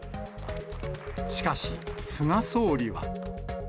しかし、菅総理は。